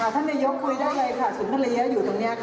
ท่านนายกคุยได้เลยค่ะสุนทรเยอะอยู่ตรงนี้